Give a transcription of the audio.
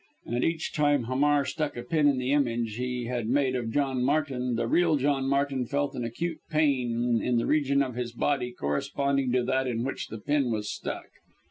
And each time Hamar stuck a pin in the image he had made of John Martin, the real John Martin felt an acute pain in the region of his body corresponding to that in which the pin was stuck.